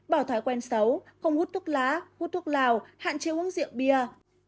bỏ thói quen xấu không hút thuốc lá hút thuốc lào hạn chế uống rượu bia